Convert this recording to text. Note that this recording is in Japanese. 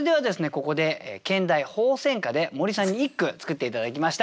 ここで兼題「鳳仙花」で森さんに一句作って頂きました。